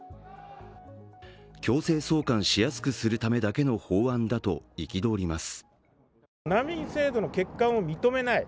強制送還しやすくするためだけの法案だと憤ります。